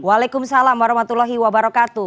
waalaikumsalam warahmatullahi wabarakatuh